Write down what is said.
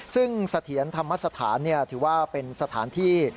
ซึ่งเสถียรธรรมสถานถือว่าเป็นสถานที่